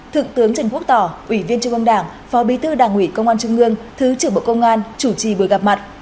thượng tướng trần quốc tỏ ủy viên trung ương đảng phó bí thư đảng ủy công an trung ương thứ trưởng bộ công an chủ trì buổi gặp mặt